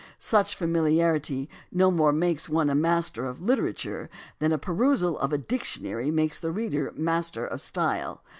Such familiar ity no more makes one a master of literature than a perusal of a dictionary makes the reader a master of style.